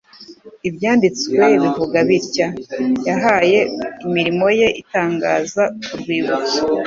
Ibyanditswe bivuga bitya :" Yahaye imirimo ye itangaza urwibutso."